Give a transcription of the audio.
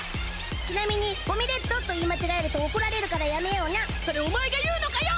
ちなみにゴミレッドと言い間違えると怒られるからやめようなそれお前が言うのかＹＯ！？